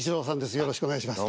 よろしくお願いします。